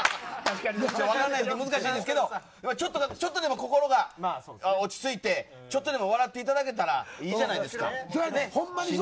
難しいですけどちょっとでも心が落ち着いてちょっとでも笑っていただけたらいいじゃないですか。